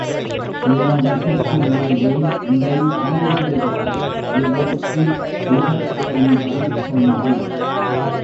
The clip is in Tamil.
எல்லாவற்றிற்கும் மேலே இதை மறந்துவிடுகிறாய் மனிதனுக்கு நிகழ்காலந்தான் சொந்தம்.